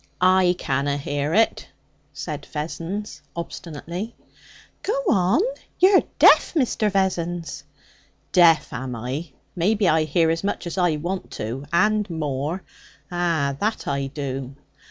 'I canna hear it,' said Vessons obstinately. 'Go on! You're deaf, Mr. Vessons.' 'Deaf, am I? Maybe I hear as much as I want to, and more. Ah! that I do!'